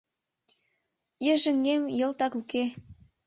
Йыжыҥем йылтак уке.